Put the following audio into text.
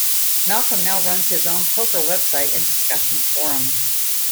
Malcolm now runs his own poker website and discussion forum.